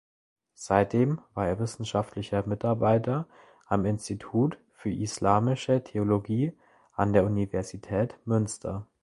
Seitdem war er Wissenschaftlicher Mitarbeiter am Institut für Islamische Theologie an der Universität Münster.